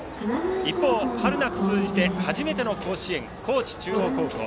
一方、春夏通じて初めての甲子園高知中央高校。